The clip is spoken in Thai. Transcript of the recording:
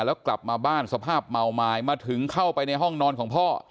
แล้วกลับมาบ้านสภาพเมาไม้มาถึงเข้าไปในห้องนอนของพ่อ